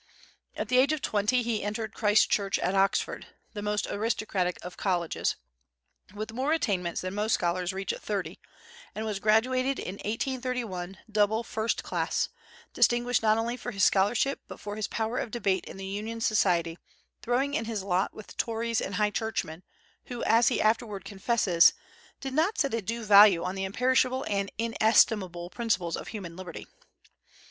At the age of twenty he entered Christ Church at Oxford the most aristocratic of colleges with more attainments than most scholars reach at thirty, and was graduated in 1831 "double first class," distinguished not only for his scholarship but for his power of debate in the Union Society; throwing in his lot with Tories and High Churchmen, who, as he afterward confesses, "did not set a due value on the imperishable and inestimable principles of human liberty."